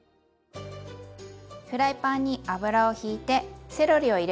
フライパンに油をひいてセロリを入れます。